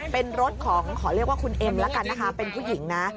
เป็นรถของขอเรียกว่าคุณเอ็มแล้วกันนะคะเป็นผู้หญิงนะ